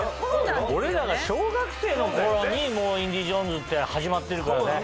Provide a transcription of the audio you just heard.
俺らが小学生の頃に『インディ・ジョーンズ』って始まってるからね。